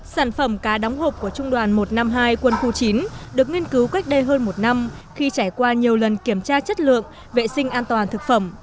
sản phẩm cá đóng hộp của trung đoàn một trăm năm mươi hai quân khu chín được nghiên cứu cách đây hơn một năm khi trải qua nhiều lần kiểm tra chất lượng vệ sinh an toàn thực phẩm